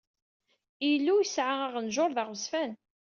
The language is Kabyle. Ilu yesɛa aɣenjur d aɣezfan.